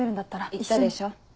言ったでしょ